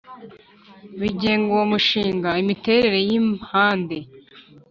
bigenga uwo mushinga Imiterere y impande